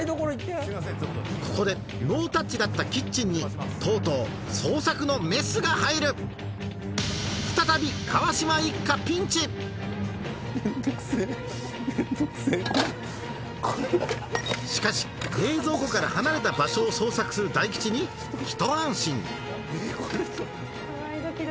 ここでノータッチだったキッチンにとうとう捜索のメスが入る再び川島一家ピンチしかし冷蔵庫から離れた場所を捜索する大吉にひと安心怖い。